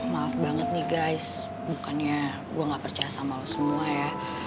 maaf banget nih guys bukannya gue gak percaya sama lo semua ya